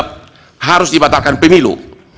tetap harus dibatalkan pemilu